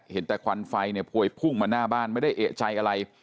เห็นแต่ควันไฟพลวงมาหน้าบ้านไม่ได้เอะใจอะไร